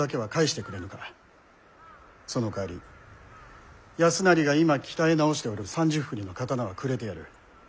そのかわり康成が今鍛え直しておる３０振の刀はくれてやる。